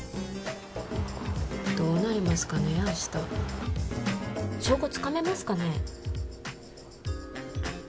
どうなりますかね明日証拠つかめますかね？